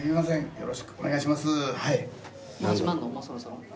よろしくお願いします。